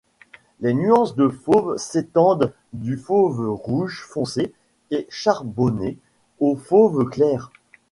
Les nuances de fauve s'étendent du fauve rouge foncé et charbonné au fauve clair.